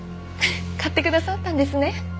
買ってくださったんですね。